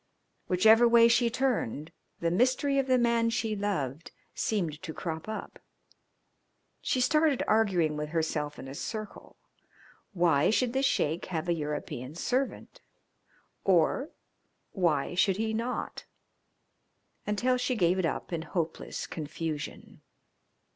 Whichever way she turned, the mystery of the man she loved seemed to crop up. She started arguing with herself in a circle why should the Sheik have a European servant or why should he not, until she gave it up in hopeless confusion.